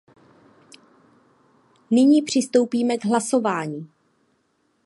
Nyní přistoupíme k hlasování.